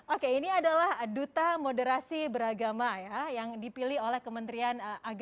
oke ini adalah duta moderasi beragama ya yang dipilih oleh kementerian agama